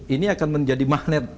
ini akan menjadi magnet